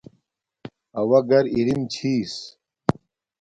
اوݳ گَر اِرِم چھݵس.